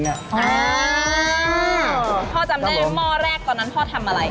พ่อจำได้ไหมหม้อแรกตอนนั้นพ่อทำอะไร